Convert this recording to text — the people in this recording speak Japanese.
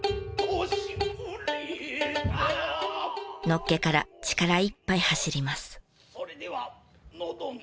のっけから力いっぱい走ります。